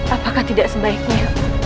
apakah tidak sebaiknya